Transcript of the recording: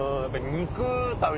肉。